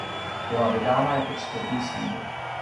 Byla vydána jako čtvrtý singl.